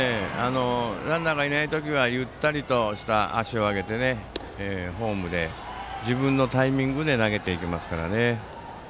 ランナーがいない時はゆったりとした足を上げたフォームで自分のタイミングで投げていきますからね。